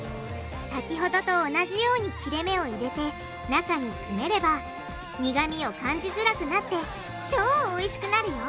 先ほどと同じように切れ目を入れて中に詰めれば苦味を感じづらくなって超おいしくなるよ！